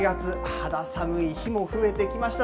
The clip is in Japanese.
肌寒い日も増えてきました。